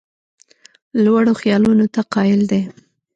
لوړو خیالونو ته قایل دی.